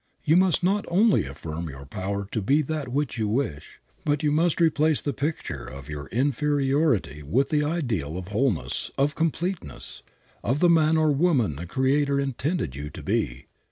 You must not only affirm your power to be that which you wish, but you must replace the picture of your inferiority with the ideal of wholeness, of completeness, of the man or woman the Creator intended you to be.